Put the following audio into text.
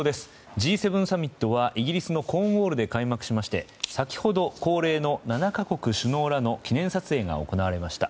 Ｇ７サミットはイギリスのコーンウォールで開幕しまして先ほど恒例の７か国首脳らの記念撮影が行われました。